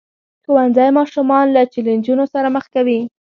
ښوونځی ماشومان له چیلنجونو سره مخ کوي.